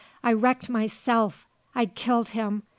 I wrecked myself, I killed him.